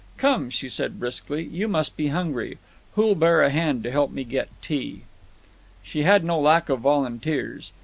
"Come," she said briskly, "you must be hungry. Who'll bear a hand to help me get tea?" She had no lack of volunteers.